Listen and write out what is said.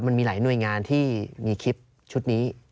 มันมีหลายหน่วยงานที่มีคลิปชุดนี้